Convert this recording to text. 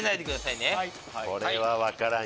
これは分からん！